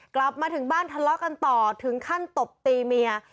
กลับมาถึงบ้านทะเลาะกันต่อถึงขั้นตบตีเมีย